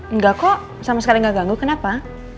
enggak kok sama sekali nggak ganggu kenapa